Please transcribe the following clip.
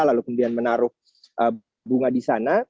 lalu kemudian menaruh bunga di sana